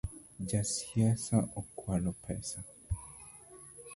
Ja siasa okwalo pesa.